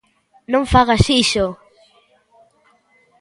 Non fagas iso!